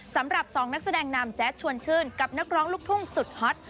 สำหรับ๒นักแสดงนำแจ๊ดชวนชื่นกับนักร้องลูกทุ่งสุดฮอต